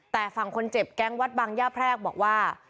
แต่ฝั่งคนเจ็บแก๊งวัดบางย่าแพรกบอกว่า